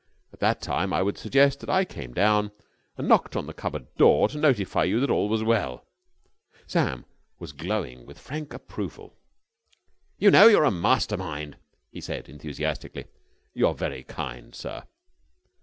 At that time I would suggest that I came down and knocked on the cupboard door to notify you that all was well." Sam was glowing with frank approval. "You know, you're a master mind!" he said, enthusiastically. "You're very kind, sir!"